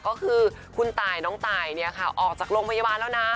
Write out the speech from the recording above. ก็คือคุณตายน้องตายเนี่ยค่ะออกจากโรงพยาบาลแล้วนะ